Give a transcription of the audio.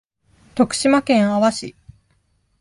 徳島県阿波市